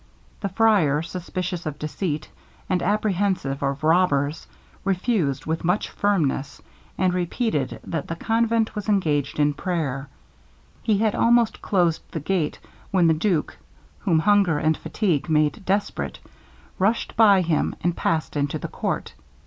The friar, suspicious of deceit, and apprehensive of robbers, refused with much firmness, and repeated that the convent was engaged in prayer; he had almost closed the gate, when the duke, whom hunger and fatigue made desperate, rushed by him, and passed into the court.